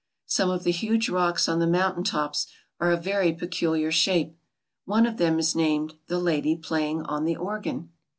Some of the huge rocks on the mountain tops are of very peculiar shape. One of them is named, 'The Lady Playing on the Organ.'